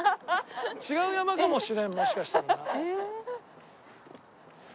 違う山かもしれんもしかしたらな。